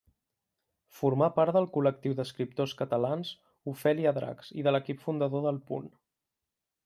Formà part del col·lectiu d'escriptors catalans Ofèlia Dracs i de l'equip fundador del Punt.